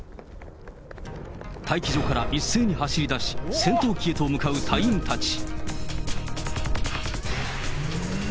待機所から一斉に走りだし、戦闘機へと向かう隊員たち。